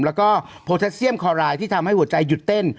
แล้วก็โพเทสเซียมคอรายที่ทำให้หัวใจหยุดเต้น